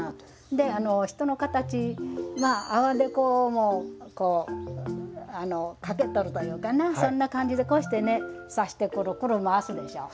で人の形阿波木偶も掛けとるというかなそんな感じでこうしてね刺してクルクル回すでしょう。